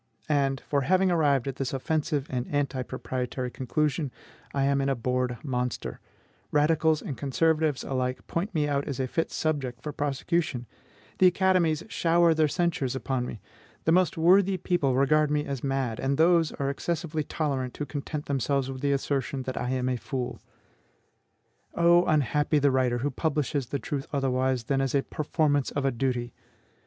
And, for having arrived at this offensive and anti proprietary conclusion, I am an abhorred monster; radicals and conservatives alike point me out as a fit subject for prosecution; the academies shower their censures upon me; the most worthy people regard me as mad; and those are excessively tolerant who content themselves with the assertion that I am a fool. Oh, unhappy the writer who publishes the truth otherwise than as a performance of a duty!